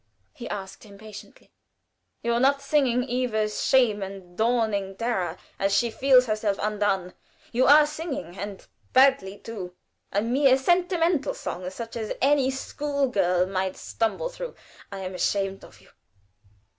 he asked, impatiently. "You are not singing Eva's shame and dawning terror as she feels herself undone. You are singing and badly, too a mere sentimental song, such as any school girl might stumble through. I am ashamed of you."